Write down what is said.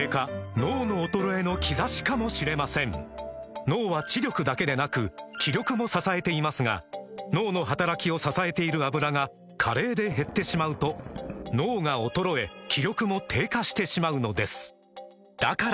脳の衰えの兆しかもしれません脳は知力だけでなく気力も支えていますが脳の働きを支えている「アブラ」が加齢で減ってしまうと脳が衰え気力も低下してしまうのですだから！